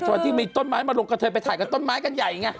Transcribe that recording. ส่วนที่มีต้นไม้มาลงกระเทยไปถ่ายกับต้นไม้กันใหญ่ไง